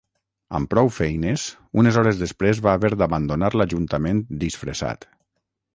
Amb prou feines unes hores després va haver d'abandonar l'Ajuntament disfressat.